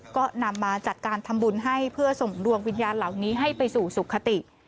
ก็นำมาจัดการทำบุญให้เพื่อส่งดวงวิญญาณเหล่านี้ให้ไปสู่สุขติ